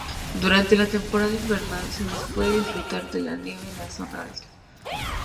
Durante la temporada invernal se puede disfrutar de la nieve en la zona alta.